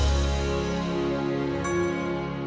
pasti kamu yang ambil